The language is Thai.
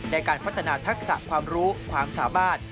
ในการพัฒนาทักษะความรู้ความสามารถ